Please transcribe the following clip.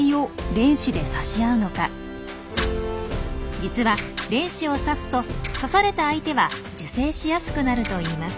実は恋矢を刺すと刺された相手は受精しやすくなるといいます。